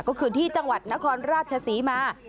ก็คือที่จังหวัดนครราชศรีมา